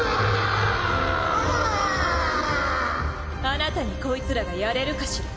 あなたにこいつらがやれるかしら？